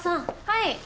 はい。